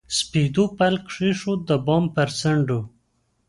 سپېدو پل کښېښود، د بام پر څنډو